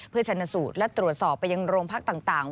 เพื่อชนะสูตรและตรวจสอบไปยังโรงพักต่าง